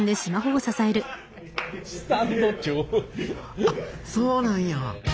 あっそうなんや。